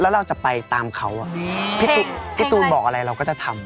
แล้วเราจะไปตามเขาพี่ตูนบอกอะไรเราก็จะทำ